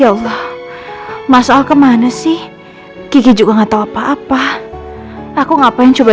ya allah masuk kemana sih kiki juga nggak tahu apa apa aku ngapain coba